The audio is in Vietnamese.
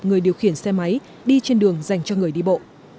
người điều khiển xe máy đi trên đường dành cho người đi bộ